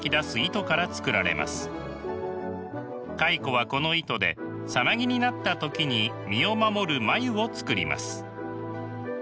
蚕はこの糸でさなぎになった時に身を守る繭を作ります。